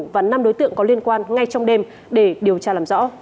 và năm đối tượng có liên quan ngay trong đêm để điều tra làm rõ